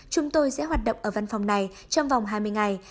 chúng tôi sẽ hoạt động ở văn phòng này trong vòng hai mươi ngày